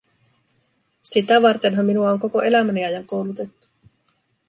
Sitä vartenhan minua on koko elämäni ajan koulutettu.